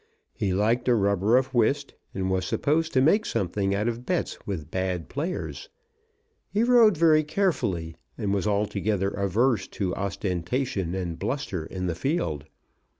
He liked a rubber of whist, and was supposed to make something out of bets with bad players. He rode very carefully, and was altogether averse to ostentation and bluster in the field.